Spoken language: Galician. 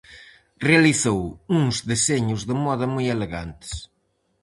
Realizou uns deseños de moda moi elegantes.